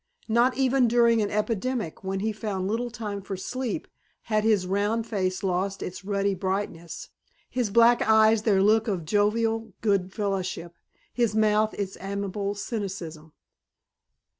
Not even during an epidemic, when he found little time for sleep, had his round face lost its ruddy brightness, his black eyes their look of jovial good fellowship, his mouth its amiable cynicism.